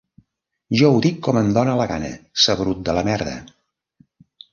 Jo ho dic com em dona la gana, saberut de la merda.